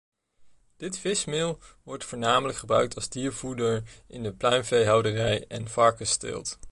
Dit vismeel wordt voornamelijk gebruikt als diervoeder in de pluimveehouderij en varkensteelt.